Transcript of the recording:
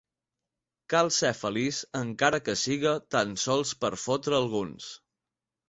Cal ser feliç encara que siga tan sols per fotre alguns.